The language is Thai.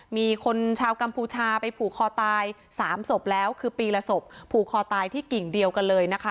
มีคนชาวกัมพูชาไปผูกคอตายสามศพแล้วคือปีละศพผูกคอตายที่กิ่งเดียวกันเลยนะคะ